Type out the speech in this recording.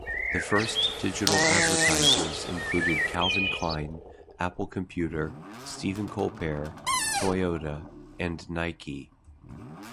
The first digital advertisers included Calvin Klein, Apple Computer, Stephen Colbert, Toyota and Nike.